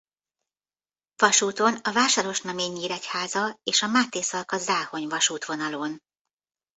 Vasúton a Vásárosnamény–Nyíregyháza– és a Mátészalka–Záhony-vasútvonalon.